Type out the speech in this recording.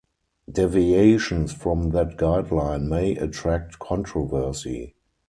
Deviations from that guideline may attract controversy.